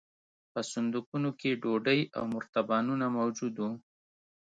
په صندوقونو کې ډوډۍ او مرتبانونه موجود وو